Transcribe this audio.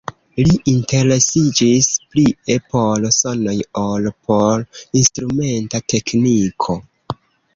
Li interesiĝis plie por sonoj ol por instrumenta tekniko.